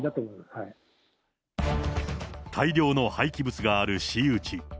大量の廃棄物がある私有地。